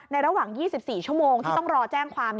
ระหว่าง๒๔ชั่วโมงที่ต้องรอแจ้งความ